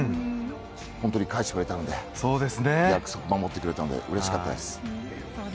本当に返してくれたので約束を守ってくれたのでうれしかったです。